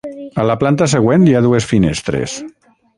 A la planta següent hi ha dues finestres.